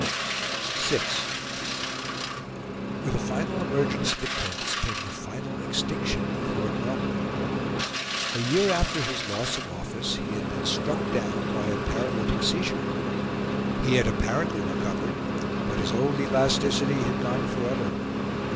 VI With the final emergence of the Prince came the final extinction of Lord Melbourne. A year after his loss of office, he had been struck down by a paralytic seizure; he had apparently recovered, but his old elasticity had gone for ever.